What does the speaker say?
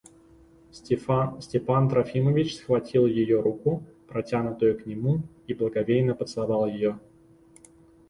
Степан Трофимович схватил ее руку, протянутую к нему, и благоговейно поцеловал ее.